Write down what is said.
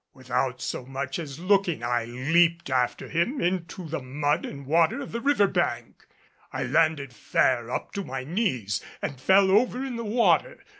Without so much as looking, I leaped after him into the mud and water of the river bank. I landed fair up to my knees and fell over in the water.